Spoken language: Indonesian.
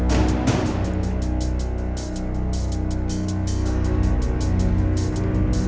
bila ada di sesudah viewing group dia bukan ada ke kanan